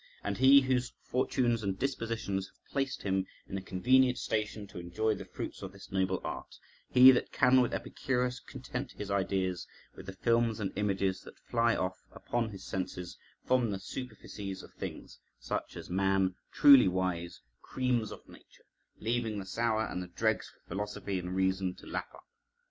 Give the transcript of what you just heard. And he whose fortunes and dispositions have placed him in a convenient station to enjoy the fruits of this noble art, he that can with Epicurus content his ideas with the films and images that fly off upon his senses from the superfices of things, such a man, truly wise, creams off Nature, leaving the sour and the dregs for philosophy and reason to lap up.